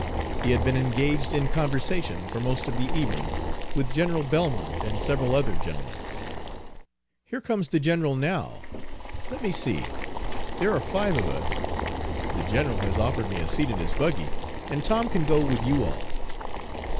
He had been engaged in conversation, for most of the evening, with General Belmont and several other gentlemen. "Here comes the general now. Let me see. There are five of us. The general has offered me a seat in his buggy, and Tom can go with you all."